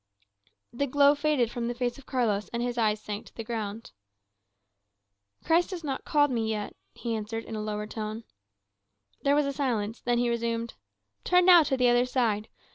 The glow faded from the face of Carlos, and his eyes sank to the ground. "Christ has not called me yet," he answered in a lower tone. There was a silence; then he resumed: "Turn now to the other side.